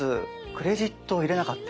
クレジットを入れなかった。